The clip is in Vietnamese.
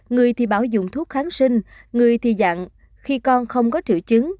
người thì báo dùng thuốc kháng sinh người thì dặn khi con không có triệu chứng